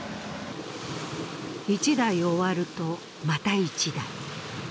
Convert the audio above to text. １台終わると、また１台。